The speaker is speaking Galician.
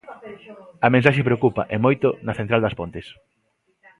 A mensaxe preocupa, e moito, na central das Pontes.